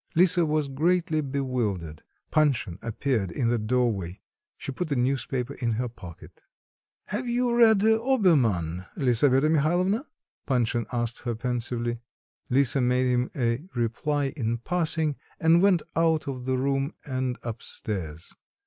Lisa was greatly bewildered. Panshin appeared in the doorway. She put the newspaper in her pocket. "Have you read Obermann, Lisaveta Mihalovna?" Panshin asked her pensively. Lisa made him a reply in passing, and went out of the room and up stairs.